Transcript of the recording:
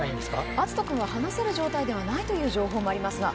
篤斗君は話せる状態ではないという情報もありますが？